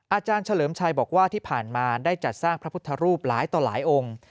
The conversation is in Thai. อาจารย์เฉลิมชัยบอกว่าที่ผ่านมาได้จัดสร้างพระพุทธรูปหลายต่อหลายองค์